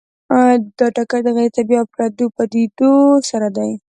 دا ټکر د غیر طبیعي او پردو پدیدو سره دی.